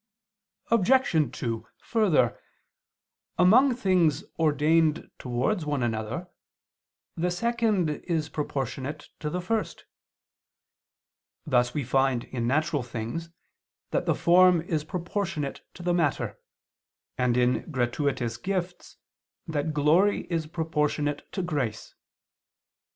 Obj. 2: Further, among things ordained towards one another, the second is proportionate to the first: thus we find in natural things that the form is proportionate to the matter, and in gratuitous gifts, that glory is proportionate to grace.